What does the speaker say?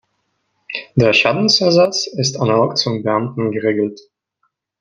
Der Schadensersatz ist analog zum Beamten geregelt.